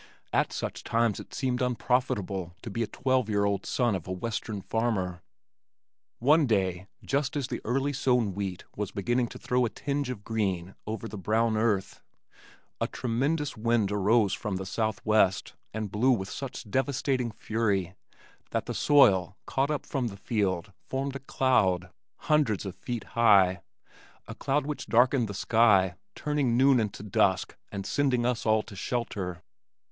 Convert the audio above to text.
At such times it seemed unprofitable to be the twelve year old son of a western farmer. One day, just as the early sown wheat was beginning to throw a tinge of green over the brown earth, a tremendous wind arose from the southwest and blew with such devastating fury that the soil, caught up from the field, formed a cloud, hundreds of feet high, a cloud which darkened the sky, turning noon into dusk and sending us all to shelter.